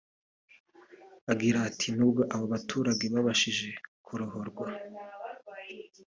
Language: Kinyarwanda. Agira ati “Nubwo abo baturage babashije kurohorwa